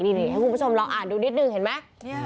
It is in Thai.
นี่ให้คุณผู้ชมลองอ่านดูนิดนึงเห็นไหม